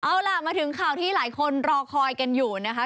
เอาล่ะมาถึงข่าวที่หลายคนรอคอยกันอยู่นะคะ